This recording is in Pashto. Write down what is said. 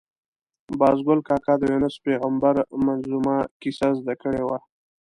باز ګل کاکا د یونس پېغمبر منظمومه کیسه زده کړې وه.